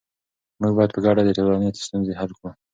موږ باید په ګډه د ټولنې ستونزې حل کړو.